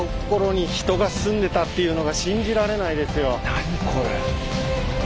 何これ。